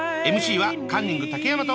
ＭＣはカンニング竹山と。